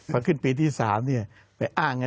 พอขึ้นปีที่๓ไปอ้าง